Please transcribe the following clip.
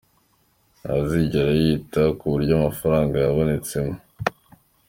Nta zigera yita ku buryo amafaranga yabonetsemo.